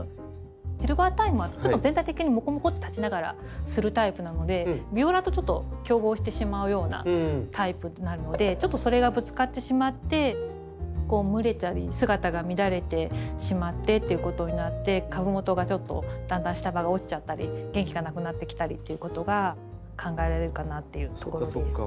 シルバータイムはちょっと全体的にもこもこって立ちながらするタイプなのでビオラと競合してしまうようなタイプになるのでちょっとそれがぶつかってしまって蒸れたり姿が乱れてしまってということになって株元がちょっとだんだん下葉が落ちちゃったり元気がなくなってきたりっていうことが考えられるかなっていうところです。